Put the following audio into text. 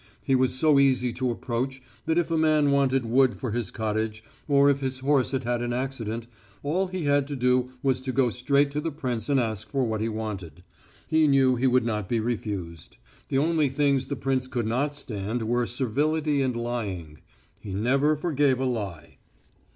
He was so easy to approach that if a man wanted wood for his cottage, or if his horse had had an accident, all he had to do was to go straight to the prince and ask for what he wanted. He knew that he would not be refused. The only things the prince could not stand were servility and lying. He never forgave a lie.